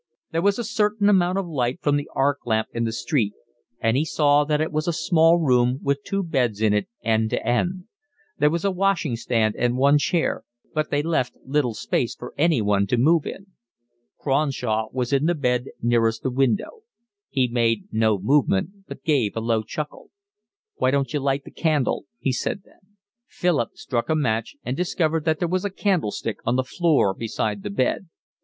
There was a certain amount of light from the arc lamp in the street, and he saw that it was a small room with two beds in it, end to end; there was a washing stand and one chair, but they left little space for anyone to move in. Cronshaw was in the bed nearest the window. He made no movement, but gave a low chuckle. "Why don't you light the candle?" he said then. Philip struck a match and discovered that there was a candlestick on the floor beside the bed.